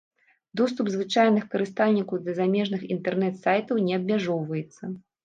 Доступ звычайных карыстальнікаў да замежных інтэрнэт-сайтаў не абмяжоўваецца.